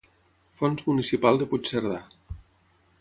Fons Municipal de Puigcerdà.